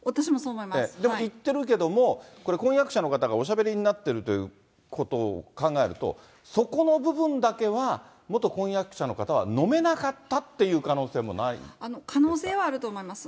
でも言ってるけども、これ、婚約者の方がおしゃべりになっているということを考えると、そこの部分だけは元婚約者の方はのめなかったっていう可能性もな可能性はあると思います。